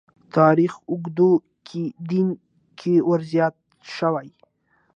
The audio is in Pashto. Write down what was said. تاریخ اوږدو کې دین کې ورزیات شوي.